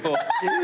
え！